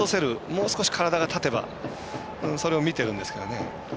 もう少し体が立てばそれを見てるんですけどね。